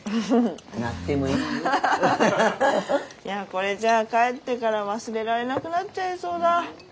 いやこれじゃあ帰ってから忘れられなくなっちゃいそうだ。